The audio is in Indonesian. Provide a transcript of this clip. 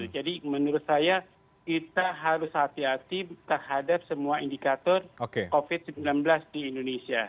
jadi menurut saya kita harus hati hati terhadap semua indikator covid sembilan belas di indonesia